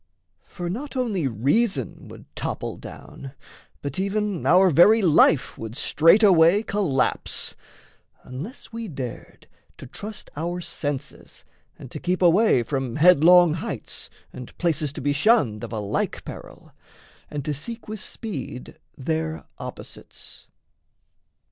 For not only reason Would topple down; but even our very life Would straightaway collapse, unless we dared To trust our senses and to keep away From headlong heights and places to be shunned Of a like peril, and to seek with speed Their opposites!